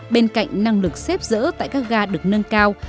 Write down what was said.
bên cạnh năng lực xếp dỡ tại các ga được nâng cao